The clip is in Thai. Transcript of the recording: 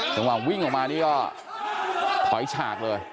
จังหวะวิ่งออกมานี่ก็ถอยฉากเลย